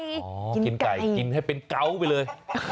ขอกินไก่กินให้เป็นเกาะไปเลย